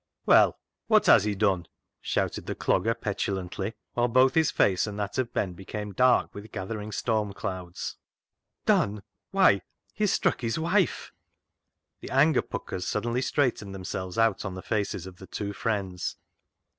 " Well, wot has he done ?" shouted the Clog ger petulantly, whilst both his face and that of Ben became dark with gathering storm clouds. " Done ? Why, he has struck his wife." The anger puckers suddenly straightened themselves out on the faces of the two friends.